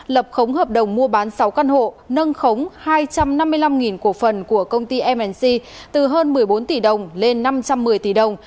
lập khống hợp đồng mua bán sáu căn hộ nâng khống hai trăm năm mươi năm cổ phần của công ty mc từ hơn một mươi bốn tỷ đồng lên năm trăm một mươi tỷ đồng